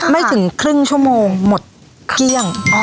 ไม่ถึงครึ่งชั่วโมงหมดเที่ยง